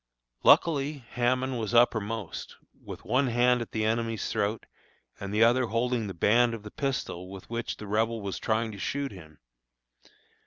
Luckily Hammond was uppermost, with one hand at the enemy's throat and the other holding the band of the pistol with which the Rebel was trying to shoot him.